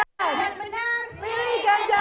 yang benar pilih ganjar